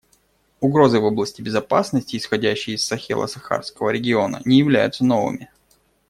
Угрозы в области безопасности, исходящие из Сахело-Сахарского региона, не являются новыми.